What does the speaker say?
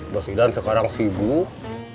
bos idan sekarang sibuk